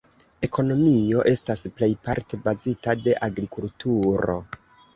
Ekonomio estas plejparte bazita de agrikulturo.